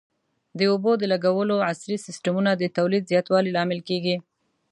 د اوبو د لګولو عصري سیستمونه د تولید زیاتوالي لامل کېږي.